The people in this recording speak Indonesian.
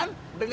lu harus bangkit